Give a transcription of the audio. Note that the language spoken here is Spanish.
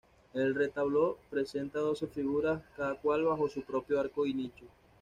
El retablo presenta doce figuras cada cual bajo su propio arco y nicho.